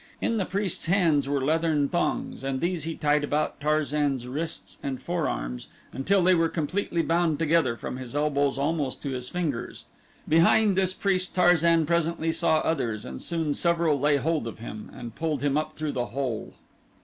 In the priest's hands were leathern thongs and these he tied about Tarzan's wrists and forearms until they were completely bound together from his elbows almost to his fingers. Behind this priest Tarzan presently saw others and soon several lay hold of him and pulled him up through the hole.